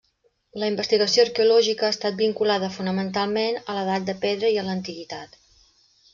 La investigació arqueològica ha estat vinculada fonamentalment a l'edat de pedra i a l'antiguitat.